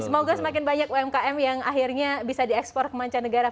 semoga semakin banyak umkm yang akhirnya bisa diekspor ke mancanegara